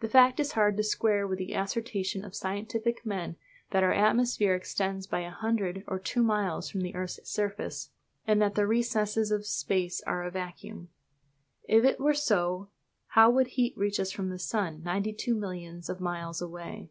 This fact is hard to square with the assertion of scientific men that our atmosphere extends but a hundred or two miles from the earth's surface, and that the recesses of space are a vacuum. If it were so, how would heat reach us from the sun, ninety two millions of miles away?